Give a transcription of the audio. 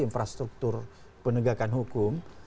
infrastruktur penegakan hukum